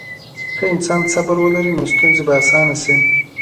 که انسان صبر ولري، نو ستونزې به اسانه شي.